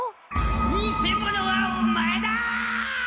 偽者はオマエだ！